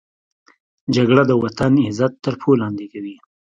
جګړه د وطن عزت تر پښو لاندې کوي